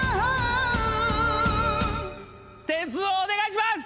点数をお願いします！